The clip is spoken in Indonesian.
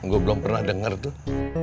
gue belum pernah dengar tuh